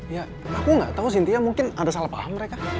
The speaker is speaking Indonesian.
ya aku nggak tahu sintia mungkin ada salah paham mereka